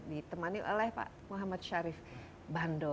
ditemani oleh pak muhammad syarif bando